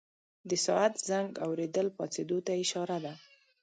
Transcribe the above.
د ساعت زنګ اورېدل پاڅېدو ته اشاره ده.